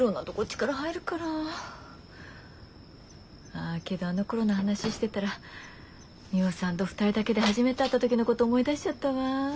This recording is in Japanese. あけどあのころの話してたらミホさんと２人だけで初めて会った時のこと思い出しちゃったわ。